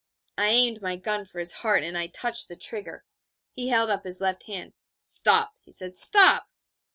_' I aimed my gun for his heart, and I touched the trigger. He held up his left hand. 'Stop,' he said, 'stop.'